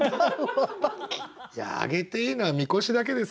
いやあげていいのはみこしだけです。